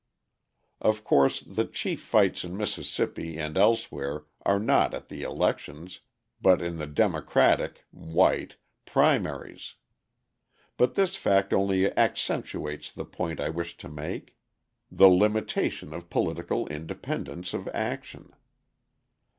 Of course the chief fights in Mississippi and elsewhere are not at the elections, but in the Democratic (white) primaries; but this fact only accentuates the point I wish to make: the limitation of political independence of action.